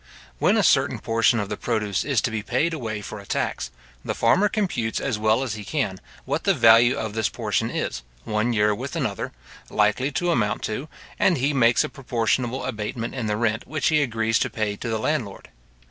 When a certain portion of the produce is to be paid away for a tax, the farmer computes as well as he can, what the value of this portion is, one year with another, likely to amount to, and he makes a proportionable abatement in the rent which he agrees to pay to the landlord.